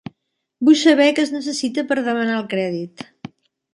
Vull saber què es necessita per demanar el crèdit.